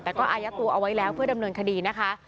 แต่ก็อายัดตัวเอาไว้แล้วเพื่อดำเนินคดีนะคะ